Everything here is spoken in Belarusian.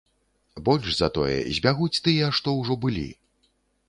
Больш за тое, збягуць тыя, што ўжо былі.